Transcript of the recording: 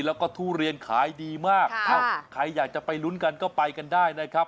แล้วก็ทุเรียนขายดีมากเอ้าใครอยากจะไปลุ้นกันก็ไปกันได้นะครับ